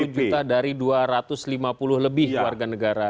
satu juta dari dua ratus lima puluh lebih warga negara